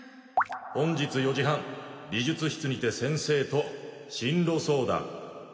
本日４時半美術室にて先生と進路相談